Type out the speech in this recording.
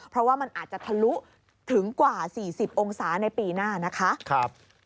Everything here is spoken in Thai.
เพราะว่ามันอาจจะทะลุถึงกว่า๔๐องศาในปีหน้านะคะ